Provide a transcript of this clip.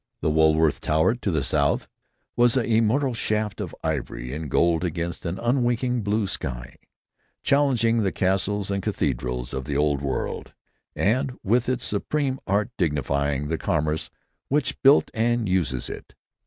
The Woolworth Tower, to the south, was an immortal shaft of ivory and gold against an unwinking blue sky, challenging the castles and cathedrals of the Old World, and with its supreme art dignifying the commerce which built and uses it.